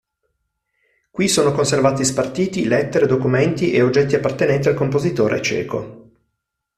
Qui sono conservati spartiti, lettere, documenti e oggetti appartenenti al compositore ceco.